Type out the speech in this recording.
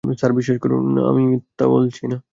Sir, বিশ্বাস করুন, আমি মিথ্যা বলছি না।